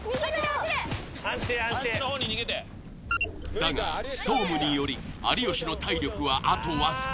だがストームにより有吉の体力はあとわずか。